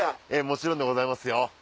もちろんでございますよ。